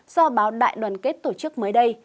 do báo đại đoàn kết tổ chức mới đây